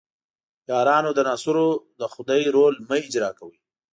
یارانو د ناصرو د خدۍ رول مه اجراء کوئ.